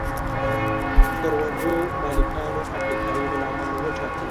کروندو مالکانو افریقایي غلامان وټاکل.